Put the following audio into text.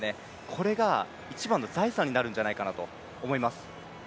これが一番の財産になるんじゃないかなと思います。